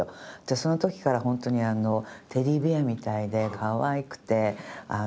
その時から本当にテディベアみたいでかわいくて。